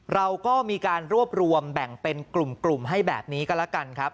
เราก็มีการรวบรวมแบ่งเป็นกลุ่มให้แบบนี้ก็แล้วกันครับ